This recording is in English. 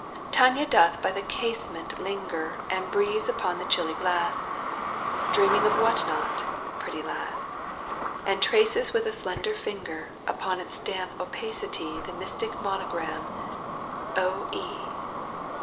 Tania doth by the casement linger And breathes upon the chiUy glass, Dreaming of what not, pretty lass, And traces with a slender finger Upon its damp opacity The mystic monogram, 0. E.